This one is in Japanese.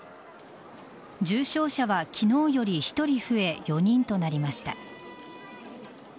重症者は昨日より１人増え４人となりました。